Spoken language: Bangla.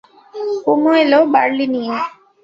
কুমু এল বার্লি নিয়ে।